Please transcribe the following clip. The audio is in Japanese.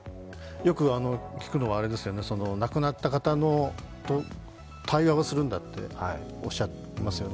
よく聞くのは亡くなった方と対話をするんだっておっしゃいますよね